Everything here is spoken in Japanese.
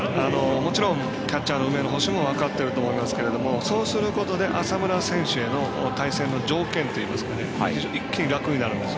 もちろんキャッチャーの梅野捕手も分かってると思いますけどそうすることで浅村選手への対戦の条件というのが一気に楽になるんです。